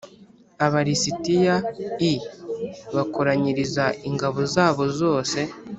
Aba lisitiya i bakoranyiriza ingabo zabo zose